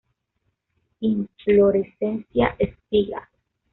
Inflorescencia espiga.